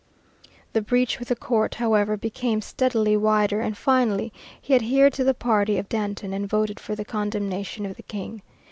The breach with the court, however, became steadily wider, and finally he adhered to the party of Danton and voted for the condemnation of the King.